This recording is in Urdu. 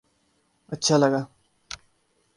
اچھا لگا